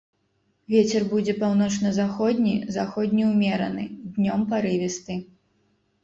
Вецер будзе паўночна-заходні, заходні ўмераны, днём парывісты.